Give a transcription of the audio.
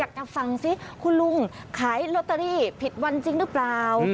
จะฟังสิคุณลุงขายลอตเตอรี่ผิดวันจริงหรือเปล่า